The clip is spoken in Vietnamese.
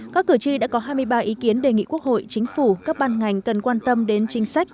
các cử tri đã có hai mươi ba ý kiến đề nghị quốc hội chính phủ các ban ngành cần quan tâm đến chính sách